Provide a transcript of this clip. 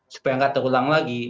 supaya nggak terulang lagi